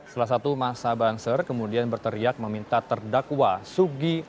salah satu masa banser kemudian berteriak meminta terdakwa sugi